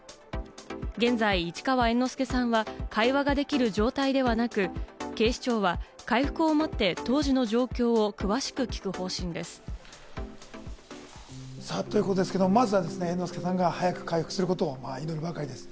現在、市川猿之助さんは、会話ができる状態ではなく、警視庁は回復を待って当時の状況を詳しく聞く方針です。ということですけれども、まずは猿之助さんが早く回復することを祈るばかりです。